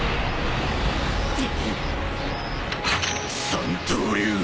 三刀流。